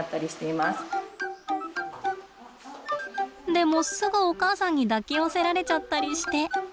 でもすぐお母さんに抱き寄せられちゃったりして。